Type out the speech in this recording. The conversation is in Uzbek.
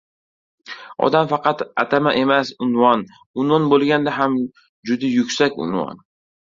Odam — faqat atama emas, — unvon, unvon bo‘lganda ham, juda yuksak unvon.